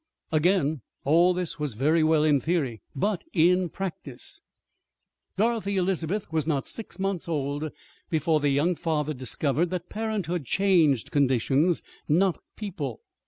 Again all this was very well in theory. But in practice Dorothy Elizabeth was not six months old before the young father discovered that parenthood changed conditions, not people.